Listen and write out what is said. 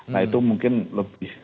nah itu mungkin lebih